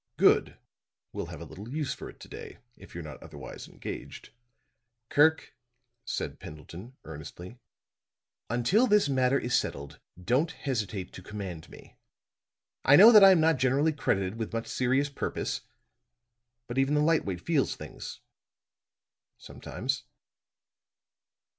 "Good. We'll have a little use for it to day, if you're not otherwise engaged." "Kirk," said Pendleton, earnestly, "until this matter is settled, don't hesitate to command me. I know that I'm not generally credited with much serious purpose; but even the lightweight feels things sometimes."